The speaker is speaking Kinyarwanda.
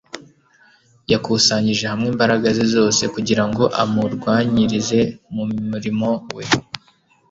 yakusanyije hamwe imbaraga ze zose kugira ngo amurwanyirize mu murimo We,